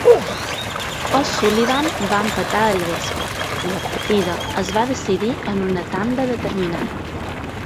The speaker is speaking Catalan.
O'Sullivan va empatar al vespre, i la partida es va decidir en una tanda determinant.